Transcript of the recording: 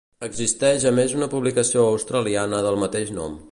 Existeix a més una publicació australiana del mateix nom.